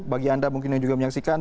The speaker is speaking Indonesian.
bagi anda mungkin yang juga menyaksikan